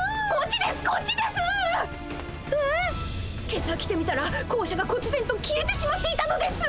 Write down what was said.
今朝来てみたら校しゃがこつぜんと消えてしまっていたのです。